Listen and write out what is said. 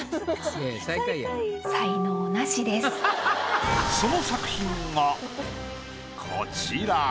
あっその作品がこちら。